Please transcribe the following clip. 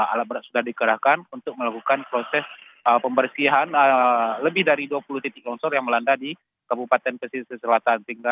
alat berat sudah dikerahkan untuk melakukan proses pembersihan lebih dari dua puluh titik longsor yang melanda di kabupaten pesisir selatan